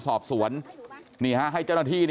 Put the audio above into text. พ่อขออนุญาต